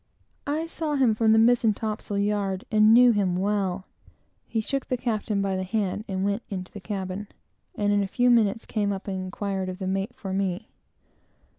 I saw him from the mizen topsail yard, and knew him well. He shook the captain by the hand, and went down into the cabin, and in a few moments came up and inquired of the mate for me.